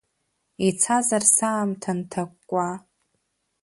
Ицазар саамҭа нҭакәкәа?